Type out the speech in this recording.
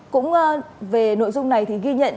cũng về nội dung này thì ghi nhận